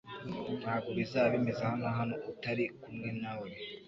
Ntabwo bizaba bimeze hano hano utari kumwe nawe